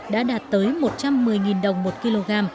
đã đạt tới một trăm một mươi đồng một kg